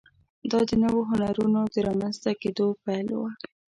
دا د نویو هنرونو د رامنځته کېدو پیل و.